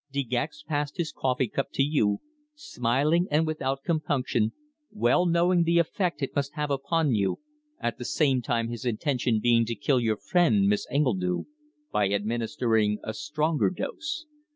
"De Gex passed his coffee cup to you, smiling and without compunction, well knowing the effect it must have upon you, at the same time his intention being to kill your friend Miss Engledue by administering a stronger dose.